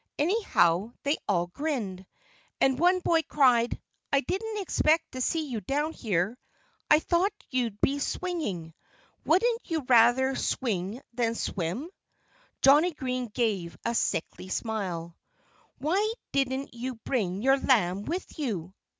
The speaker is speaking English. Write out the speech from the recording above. Anyhow they all grinned. And one boy cried, "I didn't expect to see you down here. I thought you'd be swinging. Wouldn't you rather swing than swim?" Johnnie Green gave a sickly smile. "Why didn't you bring your lamb with you?"